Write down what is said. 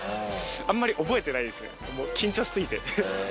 あんまり覚えてないですね緊張しすぎて。